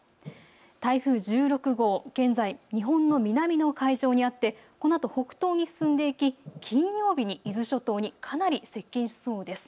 台風１６号、現在、日本の南の海上にあってこのあと北東に進んでいき金曜日に伊豆諸島にかなり接近しそうです。